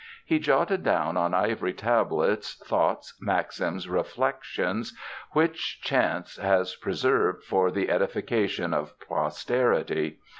He jotted down on ivory tablets thoughts, maxims, reflections which chance has preserved for the edification of posterity.